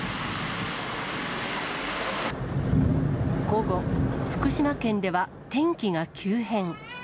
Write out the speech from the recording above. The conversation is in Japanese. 午後、福島県では天気が急変。